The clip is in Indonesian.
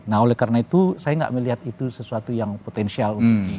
nah oleh karena itu saya tidak melihat itu sesuatu yang potensial